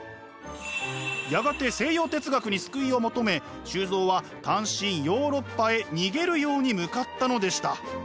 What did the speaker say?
やがて西洋哲学に救いを求め周造は単身ヨーロッパへ逃げるように向かったのでした。